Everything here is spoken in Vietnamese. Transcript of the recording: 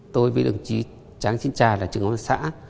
tôi với đồng chí tráng sinh tra là trưởng quan xã